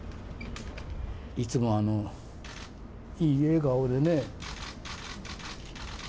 いつもあのいい笑顔でね。